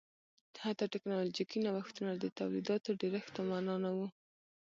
حتی ټکنالوژیکي نوښتونه د تولیداتو ډېرښت په معنا نه و